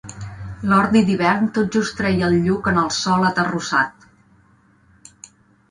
L'ordi d'hivern tot just treia el lluc en el sòl aterrossat.